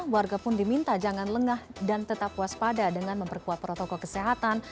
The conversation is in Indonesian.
warga pun diminta jangan lengah dan tetap waspada dengan memperkuat protokol kesehatan